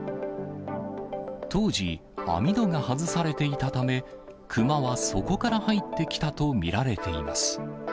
当時、網戸が外されていたため、熊はそこから入ってきたと見られています。